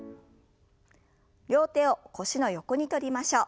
両手を腰の横に取りましょう。